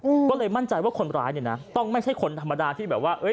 อืมก็เลยมั่นใจว่าคนร้ายเนี้ยนะต้องไม่ใช่คนธรรมดาที่แบบว่าเอ้ย